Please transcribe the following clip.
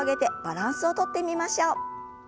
バランスをとってみましょう。